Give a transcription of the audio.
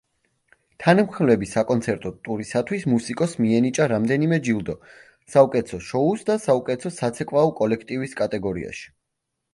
თანმხლები საკონცერტო ტურისათვის მუსიკოსს მიენიჭა რამდენიმე ჯილდო საუკეთესო შოუს და საუკეთესო საცეკვაო კოლექტივის კატეგორიაში.